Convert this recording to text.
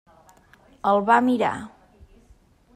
El va mirar.